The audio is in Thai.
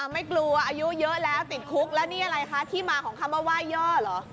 ไม่เป็นไรหลายก็ดีไม่เป็นไรผมติดคุก